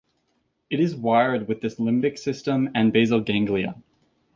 It is wired with the limbic system and basal ganglia.